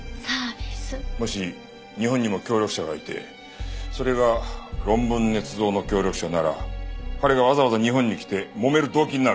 もし日本にも協力者がいてそれが論文捏造の協力者なら彼がわざわざ日本に来てもめる動機になる。